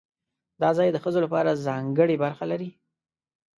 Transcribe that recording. دا ځای د ښځو لپاره ځانګړې برخه لري.